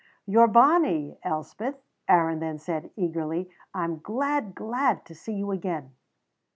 "You're bonny, Elspeth," Aaron then said eagerly. "I'm glad, glad to see you again."